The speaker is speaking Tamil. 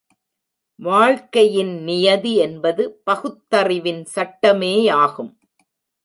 வாழ்க்கையின் நியதி என்பது பகுத்தறிவின் சட்டமேயாகும்.